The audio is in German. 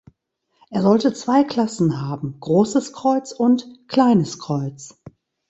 Er sollte zwei Klassen haben, „Großes Kreuz“ und „Kleines Kreuz“.